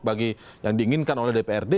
bagi yang diinginkan oleh dprd